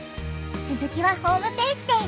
つづきはホームページで！